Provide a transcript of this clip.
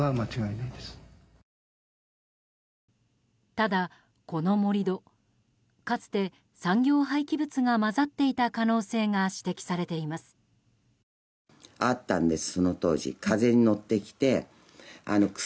ただ、この盛り土かつて産業廃棄物が混ざっていた可能性が指摘されています。